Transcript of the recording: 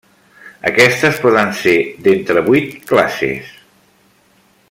Aquestes poden ser d'entre vuit classes.